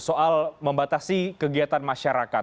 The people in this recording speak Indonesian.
soal membatasi kegiatan masyarakat